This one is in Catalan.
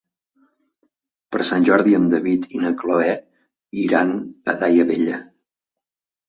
Per Sant Jordi en David i na Cloè iran a Daia Vella.